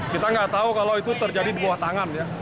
kita nggak tahu kalau itu terjadi di bawah tangan ya